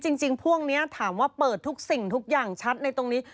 จริงพวกนี้ถามว่าเปิดทุกสิ่งทุกอย่างชัดในตรงนี้